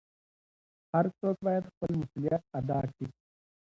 هر څوک بايد خپل مسووليت ادا کړي.